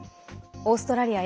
オーストラリア